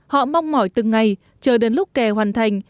họ mong mỏi từng ngày chờ đến lúc kè hoàn thành